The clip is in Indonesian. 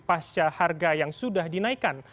pasca harga yang sudah dinaikkan